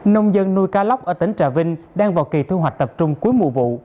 nông dân nuôi cá lóc ở tỉnh trà vinh đang vào kỳ thu hoạch tập trung cuối mùa vụ